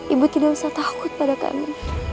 ibu tidak usah takut pada kami